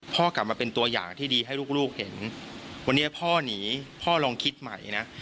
พ่อกลับมาเป็นตัวอย่างที่ดีให้ลูกเห็นวันนี้พ่อหนีพ่อลองคิดใหม่นะ